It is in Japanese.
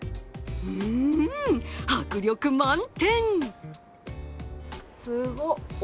うーん、迫力満点！